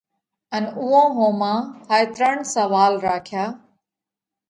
ان اُوئون ۿوما هائي ترڻ سوئال راکيا۔